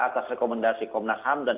atas rekomendasi komnas ham dan